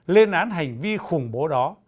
lên án hành vi khủng bố